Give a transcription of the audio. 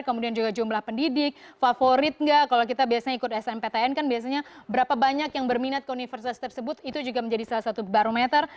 kemudian juga jumlah pendidik favorit nggak kalau kita biasanya ikut smptn kan biasanya berapa banyak yang berminat ke universitas tersebut itu juga menjadi salah satu barometer